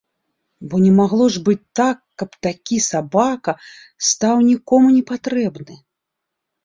Бо не магло ж быць так, каб такі сабака стаў нікому не патрэбны.